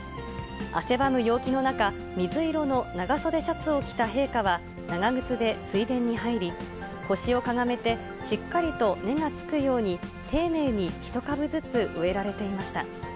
汗ばむ陽気の中、水色の長袖シャツを着た陛下は、長靴で水田に入り、腰をかがめて、しっかりと根がつくように、丁寧に１株ずつ植えられていました。